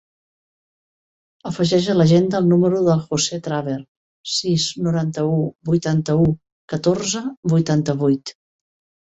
Afegeix a l'agenda el número del José Traver: sis, noranta-u, vuitanta-u, catorze, vuitanta-vuit.